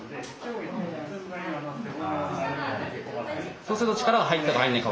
そうすると力が入ったか入らないか。